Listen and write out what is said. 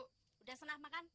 udah senang makan